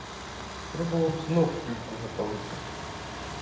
Пробував знов люльку запалити.